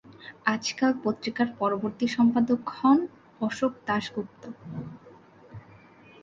আজকাল পত্রিকার পরবর্তী সম্পাদক হন অশোক দাশগুপ্ত।